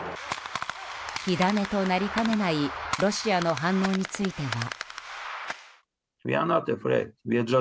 火種となりかねないロシアの反応については。